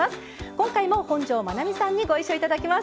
今回も本上まなみさんにご一緒頂きます。